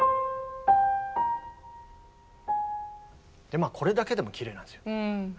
まあこれだけでもきれいなんですよ。